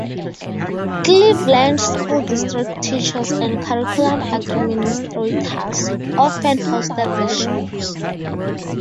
Cleveland school district teachers and curriculum administrators often hosted the shows.